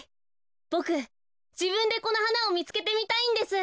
ボクじぶんでこのはなをみつけてみたいんです。